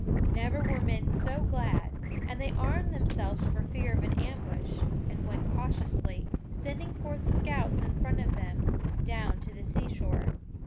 Never were men so glad, and they armed themselves for fear of an ambush, and went cautiously, sending forth scouts in front of them, down to the seashore.